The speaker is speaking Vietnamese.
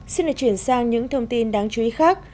xin được chuyển sang những thông tin đáng chú ý khác